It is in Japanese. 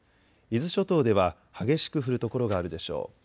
伊豆諸島では激しく降る所があるでしょう。